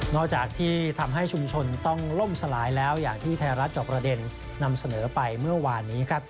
จากที่ทำให้ชุมชนต้องล่มสลายแล้วอย่างที่ไทยรัฐจอบประเด็นนำเสนอไปเมื่อวานนี้ครับ